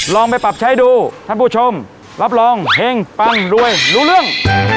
ลองไปปรับใช้ดูท่านผู้ชมรับรองเฮงปังรวยรู้เรื่อง